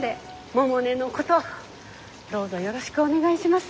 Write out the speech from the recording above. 百音のことどうぞよろしくお願いします。